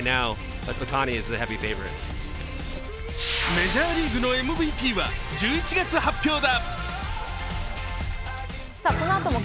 メジャーリーグのＭＶＰは１１月発表だ。